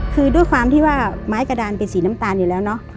คือด้วยความที่ว่าไม้กระดานเป็นสีน้ำตาลอยู่แล้วเนอะ